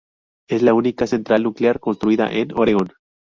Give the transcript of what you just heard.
Es la única central nuclear construida en Oregón.